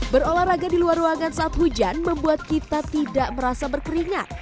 berolahraga di luar ruangan saat hujan membuat kita tidak merasa berkeringat